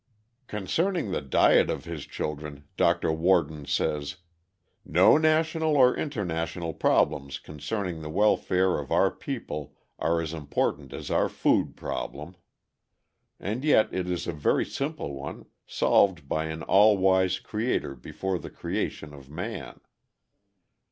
"Concerning the diet of his children Dr. Worden says: 'No national or international problems concerning the welfare of our people are as important as our food problem. And yet it is a very simple one, solved by an all wise Creator before the creation of man.